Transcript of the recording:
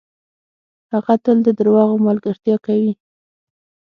هغه تل ده دروغو ملګرتیا کوي .